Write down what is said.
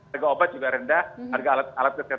harga obat juga rendah harga alat kesehatan juga rendah